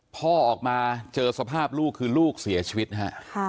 พ่อออกมาเจอสภาพลูกคือลูกเสียชีวิตนะฮะ